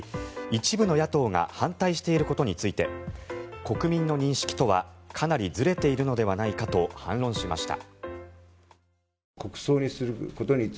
一部の野党が反対していることについて国民の認識とはかなりずれているのではないかと反論しました。